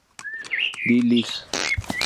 D. Leg.